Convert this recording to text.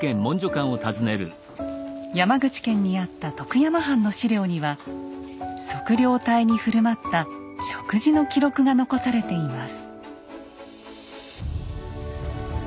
山口県にあった徳山藩の史料には測量隊に振る舞った食事の記録が残されています。